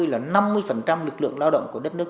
là năm mươi lực lượng lao động của đất nước